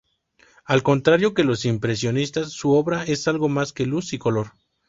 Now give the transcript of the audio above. Al contrario que los impresionistas, su obra es algo más que luz y color.